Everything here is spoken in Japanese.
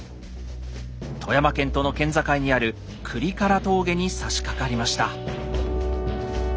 富山県との県境にある倶利伽羅峠にさしかかりました。